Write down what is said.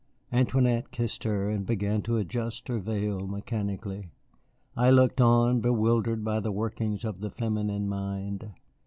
Antoinette kissed her, and began to adjust her veil mechanically. I looked on, bewildered by the workings of the feminine mind.